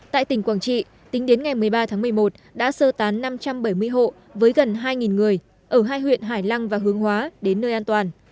tại tỉnh quảng trị tính đến ngày một mươi ba tháng một mươi một đã sơ tán năm trăm bảy mươi hộ với gần hai người ở hai huyện hải lăng và hướng hóa đến nơi an toàn